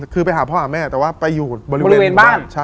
คือไปหาพ่อหาแม่แต่ว่าไปอยู่บริเวณบ้าน